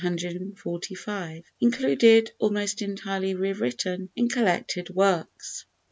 Included, almost entirely re written, in collected Works.